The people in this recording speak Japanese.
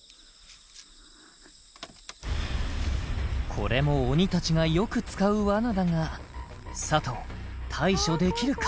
これも鬼達がよく使う罠だが佐藤対処できるか？